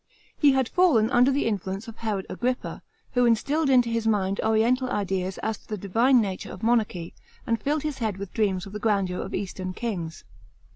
He had fallen under the influence of Heiod Agrippa, who instilled into his mind oriental ideas as to the divine nature of monarchy, and filled his head with dreams of the grandeur of eastern kings.